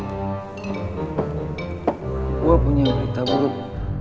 gue punya berita buruk